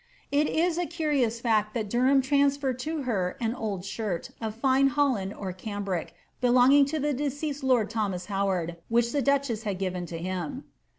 ■ It is a curious fact that Derham transferred to her an old shirt, of 6m Holland or cambric, belonging to the deceased lord Thomas Howard, which the duchess had given to him.'